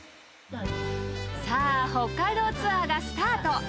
さあ北海道ツアーがスタート。